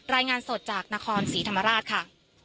รายงานสดจากนครศรีธรรมราชค่ะ